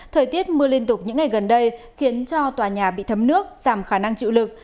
thời tiết mưa liên tục những ngày gần đây khiến cho tòa nhà bị thấm nước giảm khả năng chịu lực